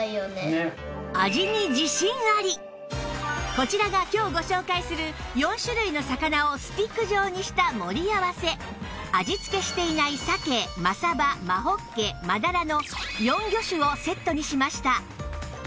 こちらが今日ご紹介する４種類の魚をスティック状にした盛り合わせ味付けしていない鮭真鯖真ほっけ真鱈の４魚種をセットにしました